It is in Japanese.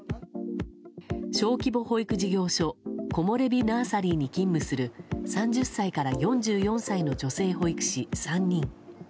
小規模保育事業所コモレビ・ナーサリーに勤務する３０歳から４４歳の女性保育士３人。